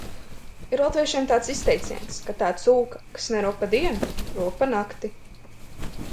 Ir latviešiem tāds izteiciens, ka tā cūka, kas nerok pa dienu, rok pa nakti.